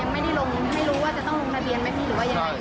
ไม่ได้ลงให้รู้ว่าจะต้องลงทะเบียนไหมพี่หรือว่ายังไง